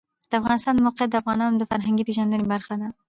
د افغانستان د موقعیت د افغانانو د فرهنګي پیژندنې برخه ده.